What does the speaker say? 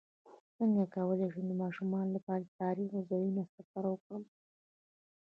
څنګه کولی شم د ماشومانو لپاره د تاریخي ځایونو سفر وکړم